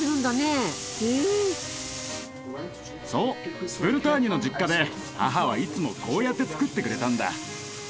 そうブルターニュの実家で母はいつもこうやって作ってくれたんだ。